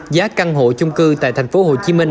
giá căn hộ chung cư tại tp hcm